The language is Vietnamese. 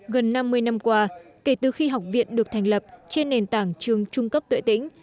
gần năm mươi năm qua kể từ khi học viện được thành lập trên nền tảng trường trung cấp tuệ tĩnh